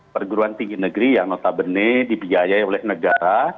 perguruan tinggi negeri yang notabene dibiayai oleh negara